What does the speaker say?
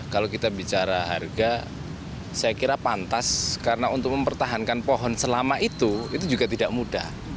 kalau kita bicara harga saya kira pantas karena untuk mempertahankan pohon selama itu itu juga tidak mudah